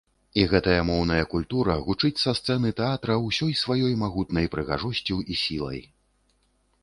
І гэтая моўная культура гучыць са сцэны тэатра ўсёй сваёй магутнай прыгажосцю і сілай.